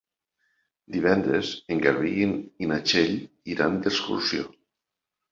Divendres en Garbí i na Txell iran d'excursió.